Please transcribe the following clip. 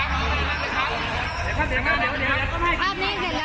ขอค่ญภาษวนออกเลยครับ